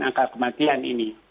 angka kematian ini